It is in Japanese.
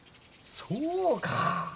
そうか。